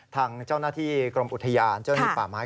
ทางเจ้าหน้าที่กรมอุทยานเจ้าหน้าที่ป่าไม้